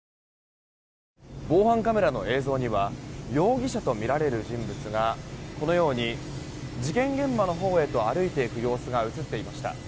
防犯カメラの映像には容疑者とみられる人物がこのように、事件現場のほうへと歩いていく様子が映っていました。